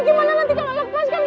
ini gimana nanti kalau lepaskan